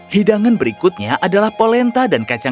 hidangan berikutnya adalah polenta dan kacang